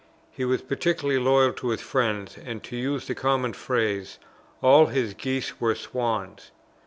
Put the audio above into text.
He was particularly loyal to his friends, and to use the common phrase, "all his geese were swans."